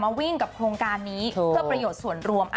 วิ่งกับโครงการนี้เพื่อประโยชน์ส่วนรวม